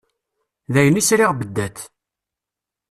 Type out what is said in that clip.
D ayen i sriɣ beddat.